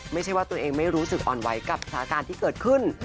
ไม่ใช่ว่าตัวเองไม่รู้สึกอ่อนไหวกับสถานการณ์ที่เกิดขึ้น